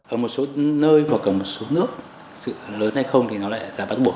ở một số nơi hoặc ở một số nước sự lớn hay không thì nó lại là bắt buộc